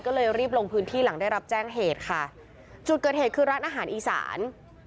ก็เลยรีบลงพื้นที่หลังได้รับแจ้งเหตุค่ะจุดเกิดเหตุคือร้านอาหารอีสาน